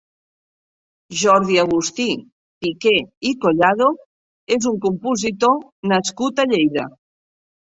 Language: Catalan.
Jordi-Agustí Piqué i Collado és un compositor nascut a Lleida.